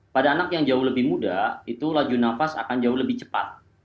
pada anak yang jauh lebih muda itu laju nafas akan jauh lebih cepat